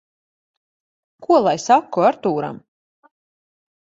Ko lai saku Artūram?